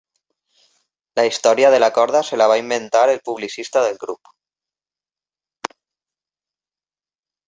La història de la corda se la va inventar el publicista del grup.